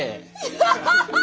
アハハハ！